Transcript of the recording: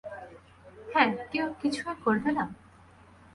হ্যাঁ, কেউ কি কিছুই করবে না?